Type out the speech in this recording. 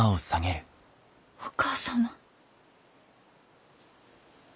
お義母様。